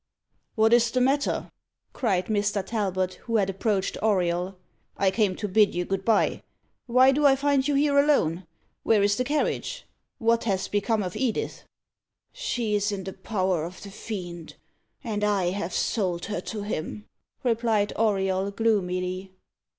"What is the matter?" cried Mr. Talbot, who had approached Auriol, "I came to bid you good bye. Why do I find you here alone? Where is the carriage? what has become of Edith?" "She is in the power of the Fiend, and I have sold her to him," replied Auriol gloomily.